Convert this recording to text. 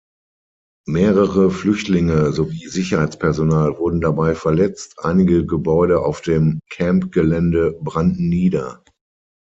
Mehrere Flüchtlinge sowie Sicherheitspersonal wurden dabei verletzt, einige Gebäude auf dem Camp-Gelände brannten nieder.